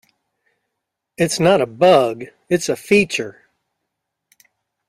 It's not a bug, it's a feature!